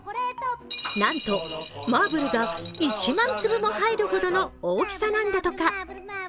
なんとマーブルが１万粒も入るほどの大きさなんだとか。